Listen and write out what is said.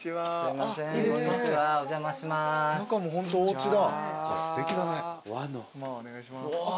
中もホントおうちだ。